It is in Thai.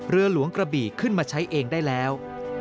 เรือหลวงกระบี่ขึ้นมาใช้เองได้แล้ว